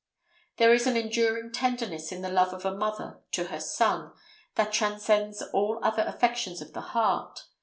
There is an enduring tenderness in the love of a mother to her son that transcends all other affections of the heart.